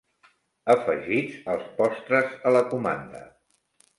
Afegits els postres a la comanda.